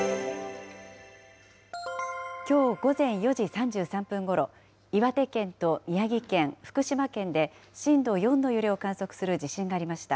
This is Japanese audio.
きょう午前４時３３分ごろ、岩手県と宮城県、福島県で震度４の揺れを観測する地震がありました。